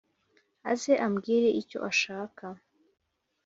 Aze ambwire icyo ashaka